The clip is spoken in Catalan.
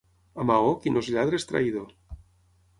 A Maó, qui no és lladre, és traïdor.